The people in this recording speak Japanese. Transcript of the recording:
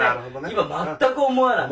今全く思わない。